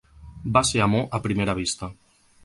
Va ser amor a primera vista.